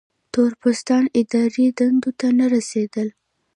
تور پوستان اداري دندو ته نه رسېدل.